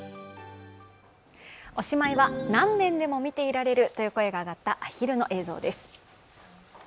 おしまいは、何べんでも見ていられると声が上がったアヒルの映像です。